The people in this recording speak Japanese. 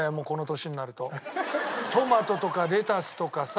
トマトとかレタスとかさ。